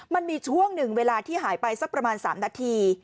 มันมีช่วงหนึ่งเวลาที่หายไปสักประมาณ๓นาที